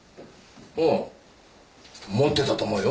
ああ持ってたと思うよ。